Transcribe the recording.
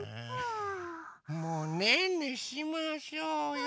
もうねんねしましょうよ。